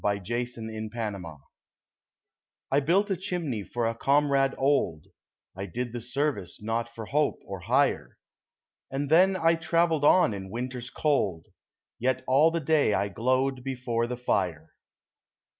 TWO AT A FIRESIDE I built a chimney for a comrade old, I did the service not for hope or hire And then I traveled on in winter's cold, Yet all the day I glowed before the fire.